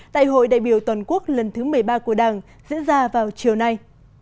đại hội đại biểu toàn quốc lần thứ một mươi ba của đảng diễn ra vào chiều nay